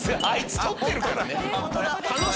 あいつ撮ってるからね！